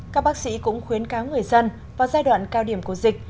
các bác sĩ cũng khuyến cáo người dân vào giai đoạn cao điểm của dịch